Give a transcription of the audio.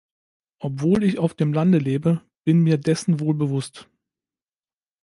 Obwohl ich auf dem Lande lebe, bin mir dessen wohl bewusst.